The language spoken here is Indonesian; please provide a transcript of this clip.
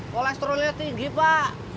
kolesterolnya tinggi pak